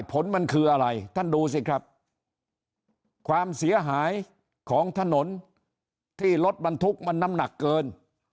ผลมันคืออะไรท่านดูสิครับความเสียหายของถนนที่รถบรรทุกมันน้ำหนักเกิน